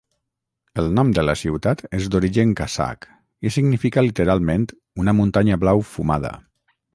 El nom de la ciutat és d'origen kazakh i significa literalment "una muntanya blau fumada".